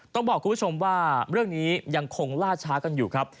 ต้องบอกคุณผู้ชมว่าเรื่องนี้ยังคงล่าช้ากันอยู่ครับ